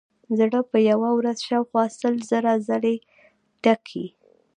زړه په یوه ورځ شاوخوا سل زره ځلې ټکي.